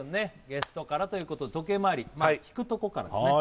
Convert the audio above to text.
ゲストからということで時計回り引くとこからですね